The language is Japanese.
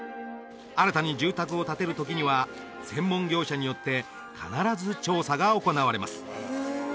新たに住宅を建てる時には専門業者によって必ず調査が行われます